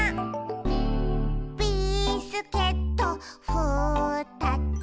「ビスケットふたつ」